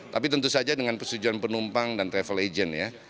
tapi tentu saja dengan persetujuan penumpang dan travel agent ya